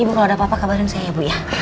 ibu kalau ada apa apa kabarin saya ya bu ya